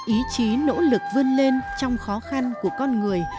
ý chí nỗ lực vươn lên trong khó khăn của con người